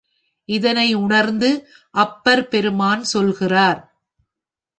இதனை உணர்ந்து அப்பர் பெருமான் சொல்லுகிறார்.